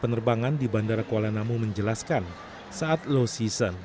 penerbangan di bandara kuala namu menjelaskan saat low season